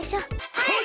はい！